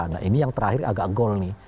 nah ini yang terakhir agak gol nih